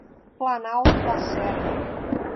Planalto da Serra